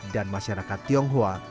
dan masyarakat tionghoa